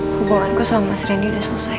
hubunganku sama mas randy udah selesai